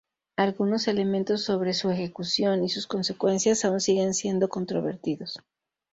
Algunos elementos sobre su ejecución y sus consecuencias aún siguen siendo controvertidos.